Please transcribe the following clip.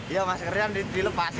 iya masker yang dilepas